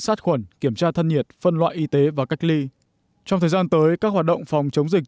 sát khuẩn kiểm tra thân nhiệt phân loại y tế và cách ly trong thời gian tới các hoạt động phòng chống dịch